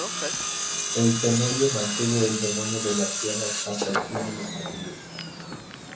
El cenobio mantuvo el dominio de las tierras hasta el fin de los señoríos.